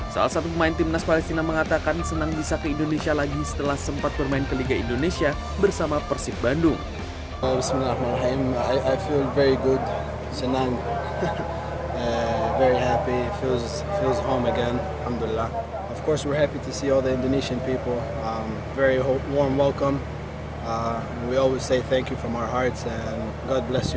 salah satu pemain tim nasional palestina mengatakan senang bisa ke indonesia lagi setelah sempat bermain ke liga indonesia bersama persib bandung